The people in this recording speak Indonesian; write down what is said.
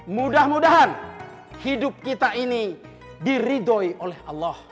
mudah mudahan hidup kita ini diridoi oleh allah